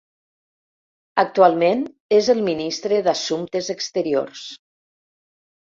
Actualment és el ministre d'assumptes exteriors.